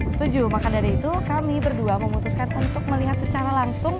setuju maka dari itu kami berdua memutuskan untuk melihat secara langsung